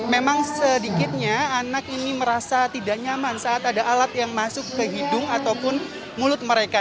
memang sedikitnya anak ini merasa tidak nyaman saat ada alat yang masuk ke hidung ataupun mulut mereka